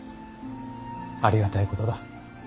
ありがたいことだ。